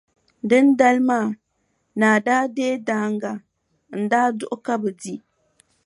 Dindali maa, naa daa deei daaŋa n-daa duɣi ka bɛ di.